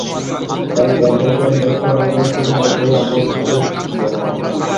তাই বাম্পার ফলন সরকারের জন্য সুসংবাদ বয়ে আনলেও কৃষকদের দুশ্চিন্তার কারণ হয়।